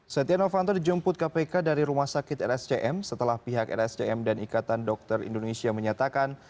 setia novanto dijemput kpk dari rumah sakit rscm setelah pihak rscm dan ikatan dokter indonesia menyatakan